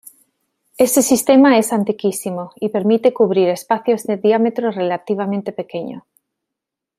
Este sistema es antiquísimo, y permite cubrir espacios de diámetro relativamente pequeño.